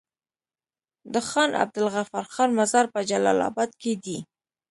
د خان عبدالغفار خان مزار په جلال اباد کی دی